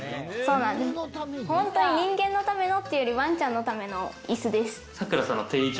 本当に人間のためのっていうより、ワンちゃんのための椅子です。